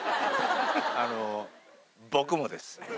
あの、僕もです。